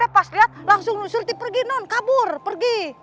pas lihat langsung surti pergi non kabur pergi